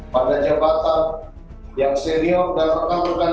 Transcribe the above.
pada jabatan yang senior dan berkan berkan